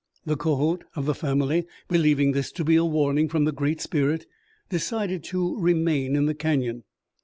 The Kohot of the family, believing this to be a warning from the Great Spirit, decided to remain in the canyon.